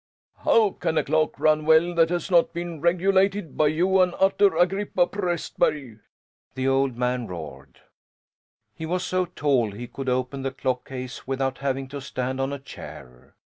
"How can a clock run well that has not been regulated by Johan Utter Agrippa Prästberg!" the old man roared. He was so tall he could open the clock case without having to stand on a chair.